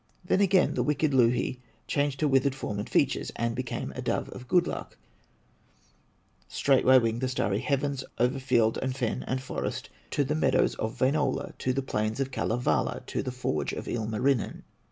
Then again the wicked Louhi Changed her withered form and features, And became a dove of good luck; Straightway winged the starry heavens, Over field, and fen, and forest, To the meadows of Wainola, To the plains of Kalevala, To the forge of Ilmarinen.